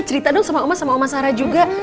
cerita dong sama oma sama oma sarah juga